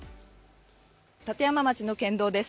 立山町の県道です。